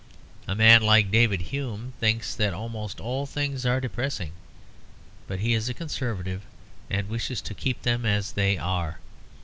A man like David Hume thinks that almost all things are depressing; but he is a Conservative, and wishes to keep them as they are.